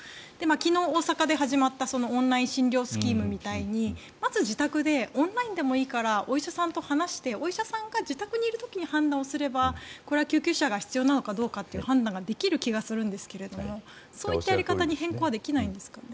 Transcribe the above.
昨日、大阪で始まったオンライン診療スキームみたいにまず自宅でオンラインでもいいからお医者さんと話してお医者さんが自宅にいる時に判断すればこれは救急車が必要なのかどうかという判断ができる気がするんですけどそういったやり方に変更はできないんですかね。